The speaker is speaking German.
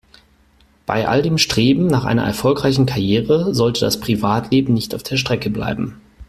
Bei all dem Streben nach einer erfolgreichen Karriere sollte das Privatleben nicht auf der Strecke bleiben.